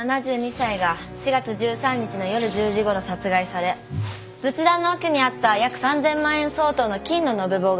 ７２歳が４月１３日の夜１０時ごろ殺害され仏壇の奥にあった約３，０００万円相当の金の延べ棒が盗まれた。